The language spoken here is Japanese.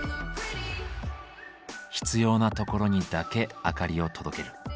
必要なところにだけ明かりを届ける。